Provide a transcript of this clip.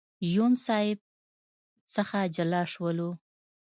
یون صاحب څخه جلا شولو.